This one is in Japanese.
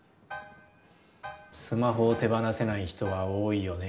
スマホを手放せない人は多いよね。